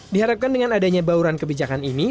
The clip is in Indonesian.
diharapkan dengan adanya bauran kebijakan ini